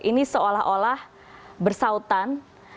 ini seolah olah bersautan